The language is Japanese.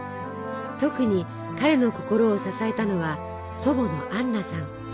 特に彼の心を支えたのは祖母のアンナさん。